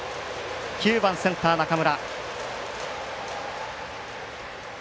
９番センター、中村。